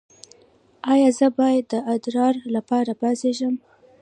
ایا زه باید د ادرار لپاره پاڅیږم؟